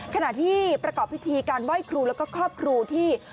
ขณะที่ประกอบพิธีการไหว้ครูแล้วก็ครอบครูที่